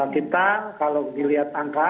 kita kalau dilihat angka